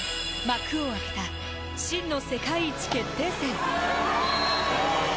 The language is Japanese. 幕を開けた真の世界一決定戦。